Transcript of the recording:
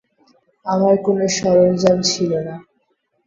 আমার কোন সরঞ্জাম ছিল না।